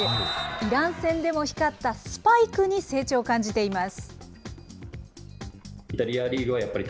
イラン戦でも光ったスパイクに成長を感じています。